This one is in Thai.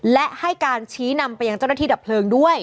และให้การชี้นำไปยังเจ้าหน้าที่ดับเพลิงด้วย